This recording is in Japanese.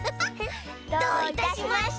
どういたしまして！